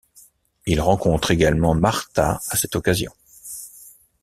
Il rencontre également Martha à cette occasion.